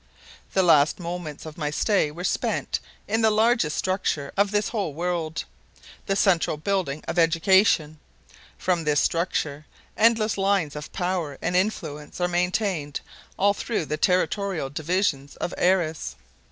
The last moments of my stay were spent in the largest structure of this whole world, the central building of education. From this structure endless lines of power and influence are maintained all through the territorial divisions of Airess.